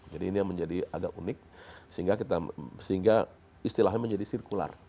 jadi ini yang menjadi agak unik sehingga istilahnya menjadi sirkular